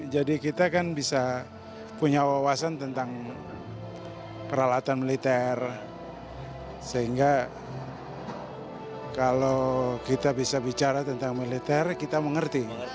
jadi kita kan bisa punya wawasan tentang peralatan militer sehingga kalau kita bisa bicara tentang militer kita mengerti